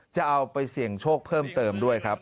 จะเอาไปเสี่ยงโชคเพิ่มเติมด้วยครับ